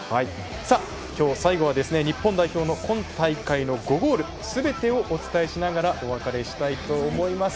今日最後は日本代表の今大会の５ゴールすべてをお伝えしながらお別れしたいと思います。